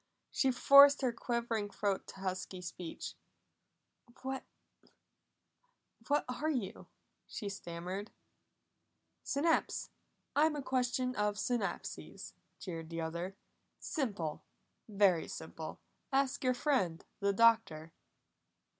She forced her quivering throat to husky speech. "What what are you?" she stammered. "Synapse! I'm a question of synapses," jeered the other. "Simple! Very simple! Ask your friend the Doctor!"